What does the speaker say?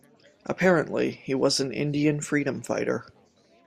Apparently, he was an Indian freedom fighter.